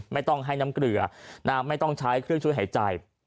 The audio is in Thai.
ไม่ต้องให้น้ำเกลือน้ำไม่ต้องใช้เครื่องช่วยหายใจ